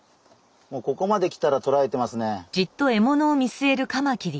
もうここまで来たらとらえてますね。